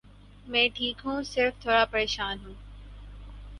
میں ٹھیک ہوں، صرف تھوڑا پریشان ہوں۔